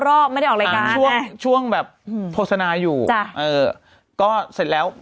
รอบไม่ได้ออกรายการช่วงช่วงแบบโฆษณาอยู่จ้ะเอ่อก็เสร็จแล้ว